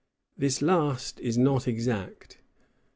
This last is not exact.